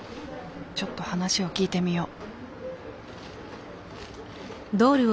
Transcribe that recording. ちょっと話を聞いてみよう。